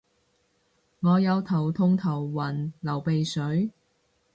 我有頭痛頭暈流鼻水